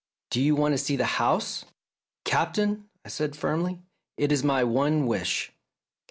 Don't you want to see the house?" " Captain," I said firmly, " it is my one wish.